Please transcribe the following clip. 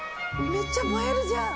めっちゃ映えるじゃん。